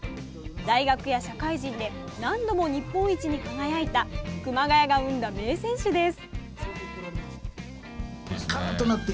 大学や社会人で何度も日本一に輝いた熊谷が生んだ名選手です。